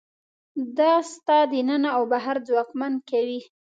دا ستا دننه او بهر ځواکمن کوي.